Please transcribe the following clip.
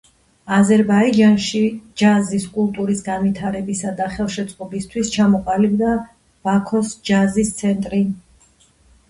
აზერბაიჯანში ჯაზის კულტურის განვითარებისა და ხელშეწყობისთვის ჩამოყალიბდა ბაქოს ჯაზის ცენტრი.